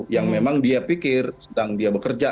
yang memang dia pikir sedang dia bekerja